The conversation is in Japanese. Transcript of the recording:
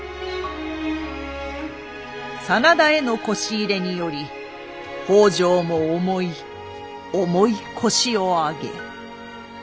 真田へのこし入れにより北条も重い重い腰を上げ。